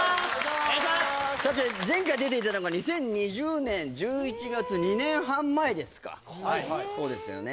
さて前回出ていただいたのが２０２０年１１月２年半前ですかはいそうですよね